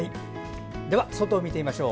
では外を見てみましょう。